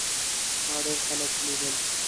ما ډېر خلک ولیدل.